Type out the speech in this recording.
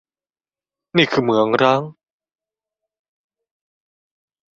นี่คือเหมืองร้าง